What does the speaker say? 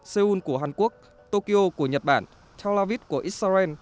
seoul của hàn quốc tokyo của nhật bản tel aviv của israel